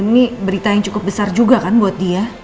ini berita yang cukup besar juga kan buat dia